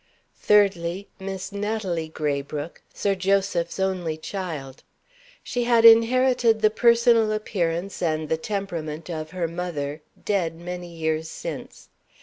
Thirdly, Miss Natalie Graybrooke Sir Joseph's only child. She had inherited the personal appearance and the temperament of her mother dead many years since.